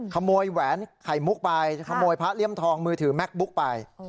ขโมยแหวนไขมุกไปค่ะขโมยพระเลี่ยมทองมือถือแมคบุ๊กไปเออ